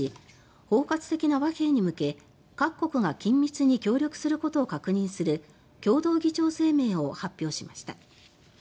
包括的な和平に向け各国が緊密に協力することを確認する共同議長声明を発表しました。